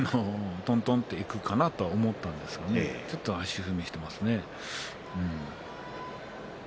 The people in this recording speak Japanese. もうちょっととんとんといくかなと思ったんですけれどもちょっと足踏みしていますね。